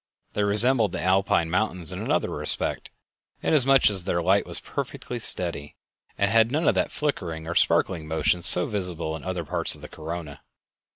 They resembled the Alpine mountains in another respect, inasmuch as their light was perfectly steady, and had none of that flickering or sparkling motion so visible in other parts of the corona...